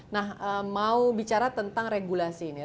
nah mau bicara tentang regulasi ini